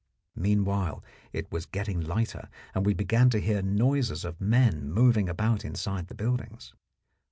Meanwhile it was getting lighter, and we began to hear noises of men moving about inside the buildings.